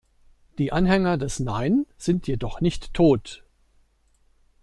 Die Anhänger des Nein sind jedoch nicht tot.